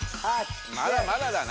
まだまだだな。